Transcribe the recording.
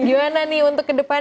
gimana nih untuk kedepannya